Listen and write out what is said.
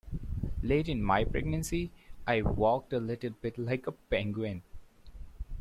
Late in my pregnancy, I walked a little bit like a Penguin.